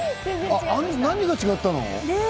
何が違ったの？